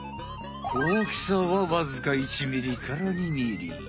大きさはわずか１ミリから２ミリ。